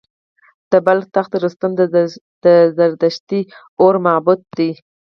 د بلخ تخت رستم د زردشتي اور معبد دی